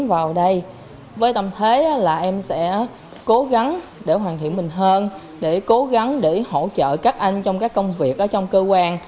với tầm thế là em sẽ cố gắng để hoàn thiện mình hơn để cố gắng để hỗ trợ các anh trong các công việc ở trong cơ quan